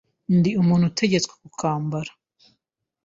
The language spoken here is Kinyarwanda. Undi muntu utegetswe kukambara